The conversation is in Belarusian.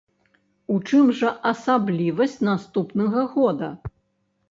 У чым жа асаблівасць наступнага года?